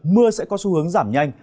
mưa sẽ có xu hướng giảm nhanh